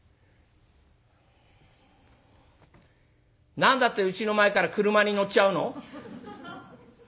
「何だってうちの前から俥に乗っちゃうの」。